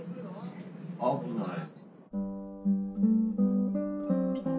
危ない！